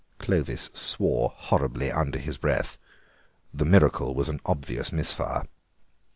Clovis swore horribly under his breath; the miracle was an obvious misfire.